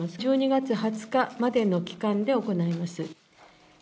１２月２０日までの期間で行います。